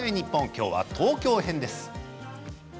今回は東京編です。